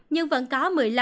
nhưng vẫn có mũi